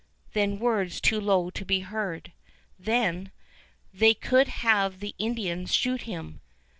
... Then words too low to be heard. ... Then, "They could have the Indians shoot him."